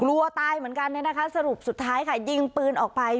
กลัวตายเหมือนกันเนี่ยนะคะสรุปสุดท้ายค่ะยิงปืนออกไป